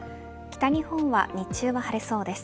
北日本は日中は晴れそうです。